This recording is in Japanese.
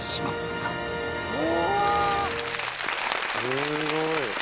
・すごい。